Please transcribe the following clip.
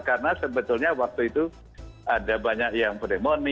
karena sebetulnya waktu itu ada banyak yang berdemon